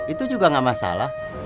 itu juga nggak masalah